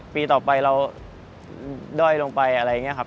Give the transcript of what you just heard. ปีต่อไปเราด้อยลงไปอะไรอย่างนี้ครับ